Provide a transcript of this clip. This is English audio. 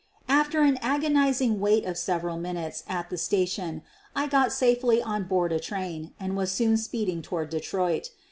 ; After an agonizing wait of several minutes at the station I got safely on board a train and was soon speeding toward Detroit.